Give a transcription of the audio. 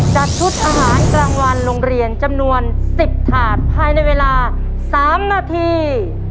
จัดชุดอาหารกลางวันโรงเรียนจำนวน๑๐ถาดภายในเวลา๓นาที